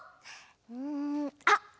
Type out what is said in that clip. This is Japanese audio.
うんあっ